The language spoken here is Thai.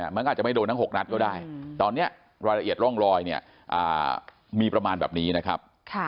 มันก็อาจจะไม่โดนทั้ง๖นัดก็ได้ตอนนี้รายละเอียดร่องรอยเนี่ยมีประมาณแบบนี้นะครับ